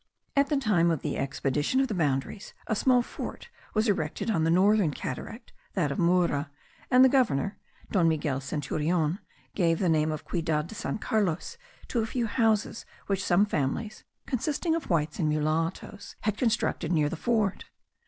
At the time of the expedition of the boundaries, a small fort was erected on the northern cataract, that of Mura; and the governor, Don Manuel Centurion, gave the name of Ciudad de San Carlos to a few houses which some families, consisting of whites and mulattos, had constructed near the fort.